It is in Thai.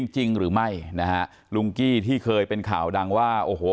จริงหรือไม่นะฮะลุงกี้ที่เคยเป็นข่าวดังว่าโอ้โห